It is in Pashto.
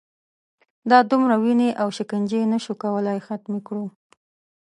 دا دومره وینې او شکنجې نه شو کولای ختمې کړو.